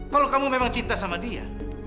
kalau kamu memang cinta sama dia